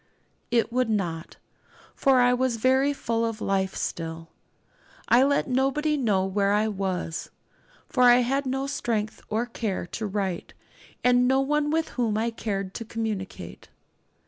It would not, for I was very full of life still. I let nobody know where I was, for I had no strength or care to write, and no one with whom I cared to communicate.